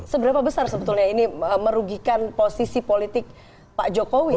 seberapa besar sebetulnya ini merugikan posisi politik pak jokowi